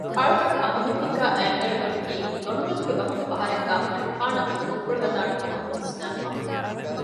އަޅުގަނޑު އަނގަމަތީގައި އަތްއެޅިގޮތަކީ ލޮނުމެދުގެ ވަހުން ފަހަރެއްގައި މަނިކުފާނަށް އުނދަގޫފުޅު ވެދާނެކަމަށް ވިސްނައިފަ